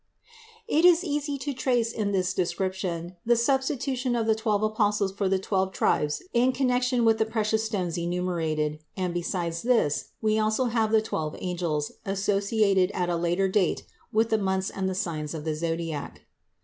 It is easy to trace in this description the substitution of the twelve apostles for the twelve tribes in connection with the precious stones enumerated, and, besides this, we also have the twelve angels, associated at a later date with the months and the signs of the zodiac.